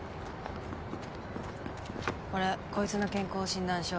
これこいつの健康診断書。